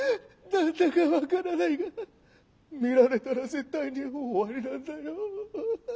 何だかわからないが見られたら絶対にもう「終わり」なんだよーッ。